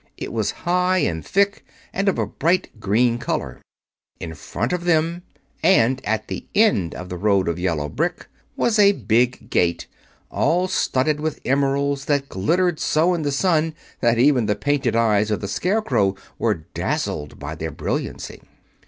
It was high and thick and of a bright green color. In front of them, and at the end of the road of yellow brick, was a big gate, all studded with emeralds that glittered so in the sun that even the painted eyes of the Scarecrow were dazzled by their brilliancy.